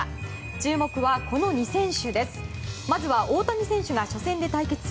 注目は、この２選手です。